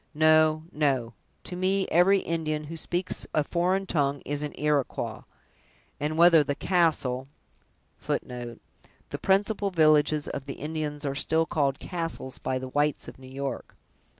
No, no; to me, every Indian who speaks a foreign tongue is an Iroquois, whether the castle of his tribe be in Canada, or be in York." The principal villages of the Indians are still called "castles" by the whites of New York.